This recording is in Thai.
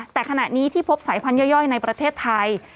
แต่ขณะนี้ที่พบสายพันธย่อยในประเทศไทย